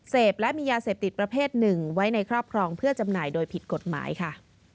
เสพและมียาเสพติดประเภทหนึ่งไว้ในครอบครองเพื่อจำหน่ายโดยผิดกฎหมายค่ะ